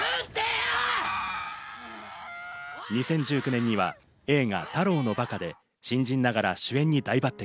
２０１９年には映画『タロウのバカ』で新人ながら主演に大抜擢。